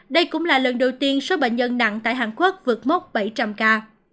đây cũng là lần đầu tiên số bệnh nhân nặng tại hàn quốc vượt mốc bảy trăm linh ca